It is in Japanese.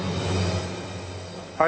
はい。